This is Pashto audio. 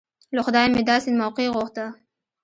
له خدايه مې داسې موقع غوښته.